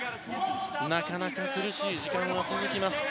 なかなか苦しい時間が続きます。